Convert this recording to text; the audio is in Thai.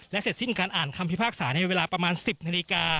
เสร็จสิ้นการอ่านคำพิพากษาในเวลาประมาณ๑๐นาฬิกา